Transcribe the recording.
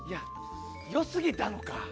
良すぎたのか。